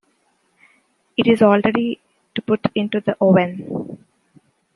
It is all ready to put into the oven.